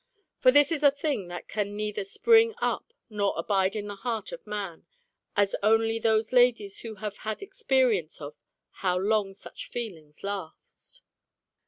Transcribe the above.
For this is a thing that can neither spring up nor abide in the heart of man, as only those ladies know who have had experience of how long such feelings last.